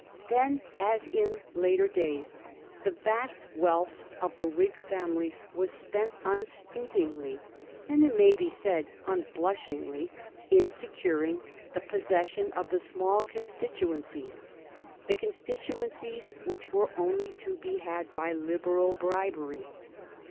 Then, as in later days, the vast wealth of the Whig families was spent unstintingly, and it may be siud unblushingly, in securing the possession of the small constituencies, the constituencies which were only to be had by liberal bribery.